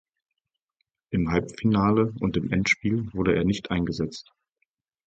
Im Halbfinale und im Endspiel wurde er nicht eingesetzt.